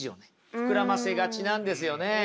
膨らませがちなんですよね。